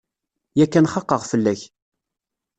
Yakan xaqeɣ fell-ak.